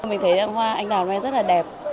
mình thấy hoa anh đào này rất là đẹp